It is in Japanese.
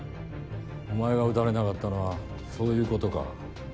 お前が撃たれなかったのはそういうことか。